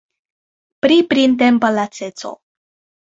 Pri printempa laceco.